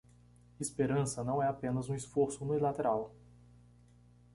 Esperança não é apenas um esforço unilateral